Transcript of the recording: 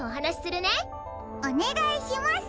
おねがいします。